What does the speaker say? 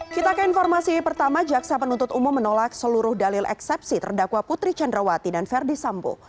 kita ke informasi pertama jaksa penuntut umum menolak seluruh dalil eksepsi terdakwa putri candrawati dan verdi sambo